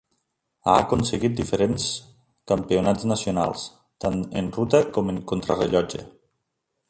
Ha aconseguit diferents campionats nacionals, tant en ruta com en contrarellotge.